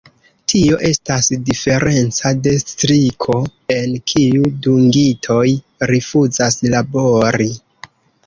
Tio estas diferenca de striko, en kiu dungitoj rifuzas labori.